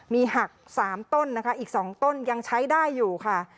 มีหัก๓ต้นนะคะอีก๒ต้นยังใช้ได้อยู่ค่ะ